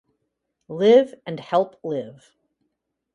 Live and "help" live.